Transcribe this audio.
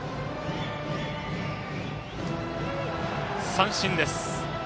三振です。